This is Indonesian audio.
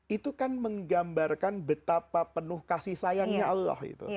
itu kan menggambarkan betapa penuh kasih sayangnya allah